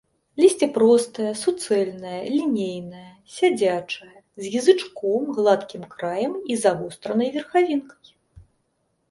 Лісце простае, суцэльнае, лінейнае, сядзячае, з язычком, гладкім краем і завостранай верхавінкай.